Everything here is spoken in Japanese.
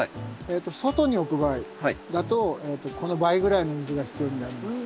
外に置く場合だとこの倍ぐらいの水が必要になります。